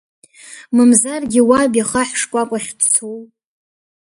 Мамзаргьы уаб ихаҳә шкәакәахь дцоу!